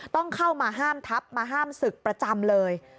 ต้องเข้ามาห้ามทับมาห้ามศึกประจำเลย